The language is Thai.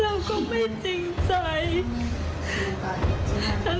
แล้วก็ไม่จริงใจ